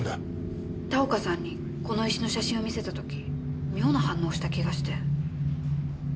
田岡さんにこの石の写真を見せた時妙な反応をした気がして。